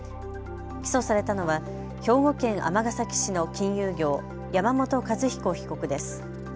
起訴されたのは兵庫県尼崎市の金融業、山本和彦被告です。